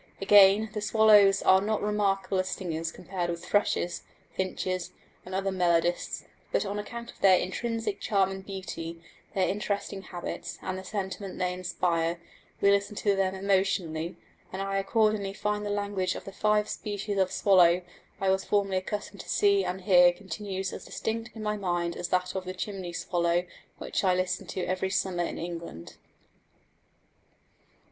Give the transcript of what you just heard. Again, the swallows are not remarkable as singers compared with thrushes, finches, and other melodists; but on account of their intrinsic charm and beauty, their interesting habits, and the sentiment they inspire, we listen to them emotionally; and I accordingly find that the language of the five species of swallows I was formerly accustomed to see and hear continues as distinct in my mind as that of the chimney swallow, which I listen to every summer in England.